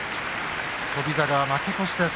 翔猿は負け越しです。